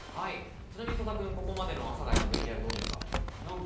曽田君、ここまでの阿佐ヶ谷のＶＴＲどうですか？